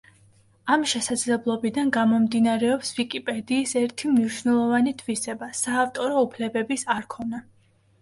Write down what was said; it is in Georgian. ამ შესაძლებლობიდან გამომდინარეობს ვიკიპედიის ერთი მნიშვნელოვანი თვისება: საავტორო უფლებების არქონა.